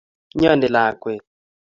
imnyani lakwet